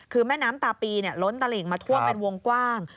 คือแม่น้ำตาปีล้นตลิ่งมาท่วมเป็นวงกว้าง